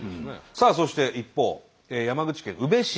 さあそして一方山口県宇部市。